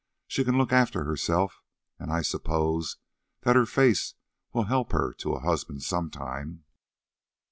She can look after herself, and I suppose that her face will help her to a husband some time.